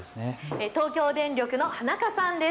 東京電力の花香さんです。